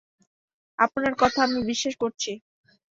আপনার কথা আমি বিশ্বাস করছি।